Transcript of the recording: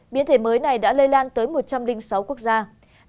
biến thể mới này đã lây lan tới một trăm linh sáu quốc gia và có thể gây ra một nguy cơ lớn